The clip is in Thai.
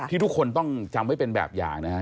ทุกคนต้องจำไว้เป็นแบบอย่างนะฮะ